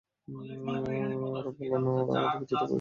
ওরা বলল, না, তবে আমরা আমাদের পিতৃ-পুরুষদেরকে এরূপই করতে দেখেছি।